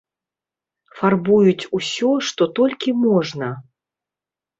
Фарбуюць усё, што толькі можна.